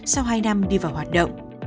sau hai năm đi vào hoạt động